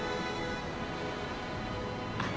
あっ。